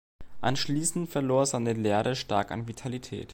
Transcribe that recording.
Anschließend verlor seine Lehre stark an Vitalität.